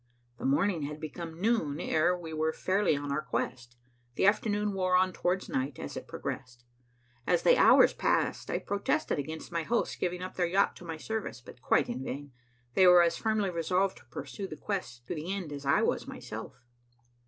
The morning had become noon, ere we were fairly on our quest. The afternoon wore on towards night, as it progressed. As the hours passed, I protested against my hosts giving up their yacht to my service, but quite in vain. They were as firmly resolved to pursue the quest to the end as I was myself.